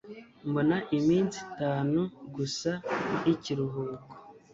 Mbona iminsi itanu gusa y'ikiruhuko